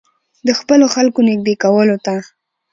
د خپلو خلکو نېږدې کولو ته.